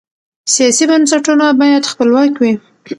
سیاسي بنسټونه باید خپلواک وي